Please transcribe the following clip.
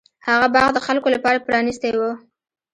هغه باغ د خلکو لپاره پرانیستی و.